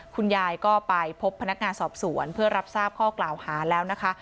คุณยายก็ไปพบพนักงานสอบสวนเพื่อรับทราบข้อกล่าวหาแล้วนะคะ